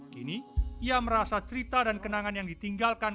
kini ia merasa cerita dan kenangan yang ditinggalkan